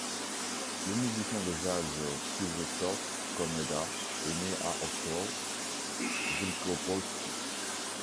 Le musicien de jazz Krzysztof Komeda est né à Ostrów Wielkopolski.